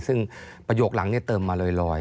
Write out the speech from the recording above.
ซึ่งประโยคหลังเติมมาลอย